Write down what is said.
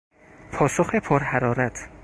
پاسخ پرحرارت